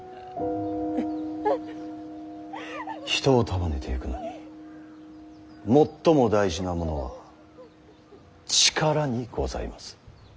人を束ねてゆくのに最も大事なものは力にございます。